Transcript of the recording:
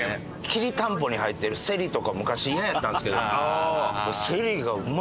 きりたんぽに入ってるセリとか昔イヤやったんですけど。